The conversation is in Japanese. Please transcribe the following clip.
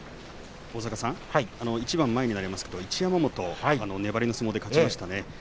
一番前になりますが一山本粘りの相撲で勝ちました。